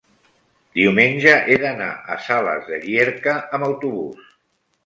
diumenge he d'anar a Sales de Llierca amb autobús.